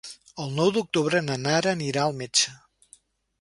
El nou d'octubre na Nara anirà al metge.